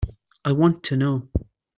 I want to know.